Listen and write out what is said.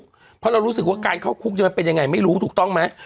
เพราะเรารู้สึกว่าการเข้าคุกมันเป็นยังไงไม่รู้ถูกต้องไหม